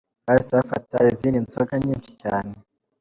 Bahise bafata izindi nzoga nyinshi cyane.